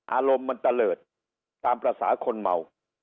อารมณ์มันตะเลิศตามภาษาคนเมา